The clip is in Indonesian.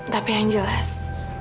tapi yang jelas